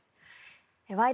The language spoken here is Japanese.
「ワイド！